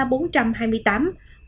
quảng bình bốn trăm ba mươi chín